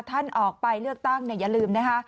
ท่านออกไปเลือกตั้งอย่าลืมนะคะ